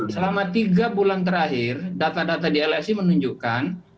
selama tiga bulan terakhir data data di lsi menunjukkan